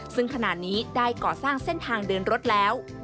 ซึ่งขณะนี้ได้ก่อสร้างเส้นทางเดินรถแล้ว